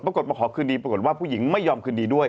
ปรากฏมาขอคืนดีปรากฏว่าผู้หญิงไม่ยอมคืนดีด้วย